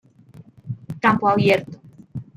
Campo Abierto.